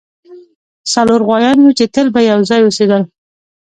څلور غوایان وو چې تل به یو ځای اوسیدل.